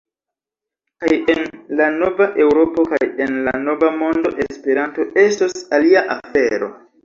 Kaj en la nova Eŭropo kaj en la nova mondo Esperanto estos alia afero.